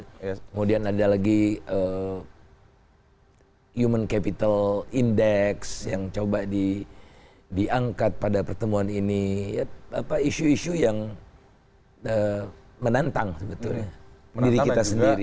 kemudian ada lagi human capital index yang coba diangkat pada pertemuan ini isu isu yang menantang sebetulnya diri kita sendiri